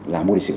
là môn lịch sử